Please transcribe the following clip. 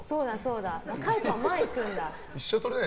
若い子は前に行くんだ。